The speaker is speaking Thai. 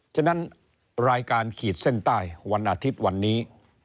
ฉะนั้นรายการขีดเส้นใต้วันอาทิตย์วันนี้